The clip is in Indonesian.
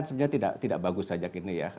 sebenarnya tidak bagus sajak ini